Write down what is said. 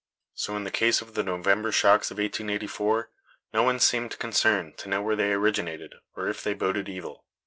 So in the case of the November shocks of 1884, no one seemed concerned to know where they originated, or if they boded evil.